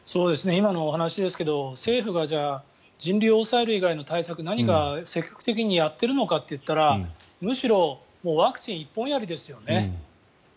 今のお話ですが、政府がじゃあ人流を抑える以外の対策何か積極的にやっているのかといったらむしろワクチン一本やりですよね。